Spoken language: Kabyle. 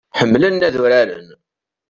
Ḥemmlen ad uraren.